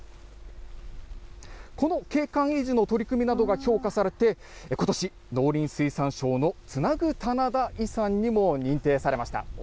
この景観維持の取り組みなどが評価されて、ことし、農林水産省のつなぐ棚田遺産にも認定されました。